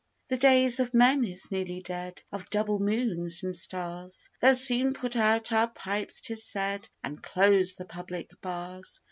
The days of men is nearly dead of double moons and stars They'll soon put out our pipes, 'tis said, an' close the public bars.